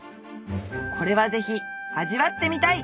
これはぜひ味わってみたい！